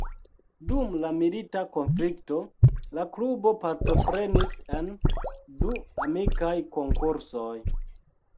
Dum la milita konflikto, la klubo partoprenis en du amikaj konkursoj.